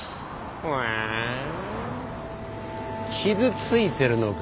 はん傷ついてるのか